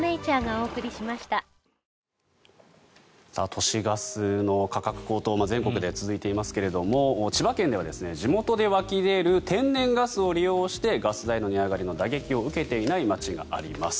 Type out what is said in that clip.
都市ガスの価格高騰が全国で続いていますが千葉県では地元で湧き出る天然ガスを利用してガス代の値上がりの打撃を受けていない町があります。